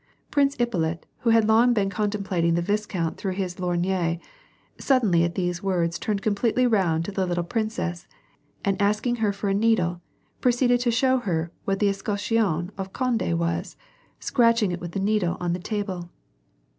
Prince Ippolit who had been long contemplating the vis count through his lorgnette, suddenly at these words turned completely round to the little princess, and asking her for a needle proceeded to show her what the escutcheon of Conde was, scratching it with the needle on the table.